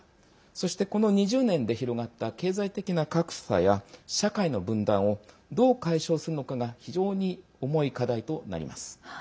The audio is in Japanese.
そして、この２０年で広がった経済的な格差や社会の分断をどう解消するのかが非常に重い課題となります。